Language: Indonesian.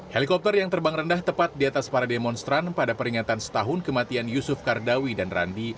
helikopter yang terbang rendah tepat di atas para demonstran pada peringatan setahun kematian yusuf kardawi dan randi